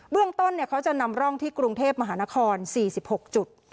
เรื่องต้นเขาจะนำร่องที่กรุงเทพมหานคร๔๖จุด